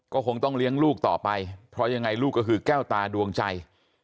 ก็คงต้องเลี้ยงลูกต่อไปเพราะยังไงลูกก็คือแก้วตาดวงใจ